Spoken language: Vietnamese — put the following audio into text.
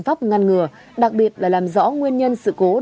lâu ngày dẫn đến sự cố